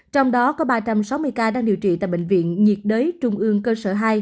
trong đó có ba trăm sáu mươi ca đang điều trị tại bệnh viện nhiệt đới trung ương cơ sở hai